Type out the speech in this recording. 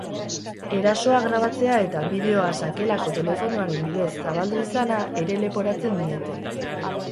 Erasoa grabatzea eta bideoa sakelako telefonoaren bidez zabaldu izana ere leporatzen diete.